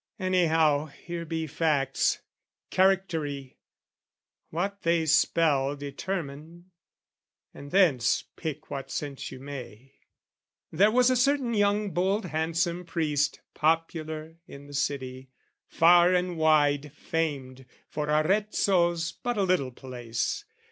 Anyhow Here be facts, charactery; what they spell Determine, and thence pick what sense you may! There was a certain young bold handsome priest Popular in the city, far and wide Famed, for Arezzo's but a little place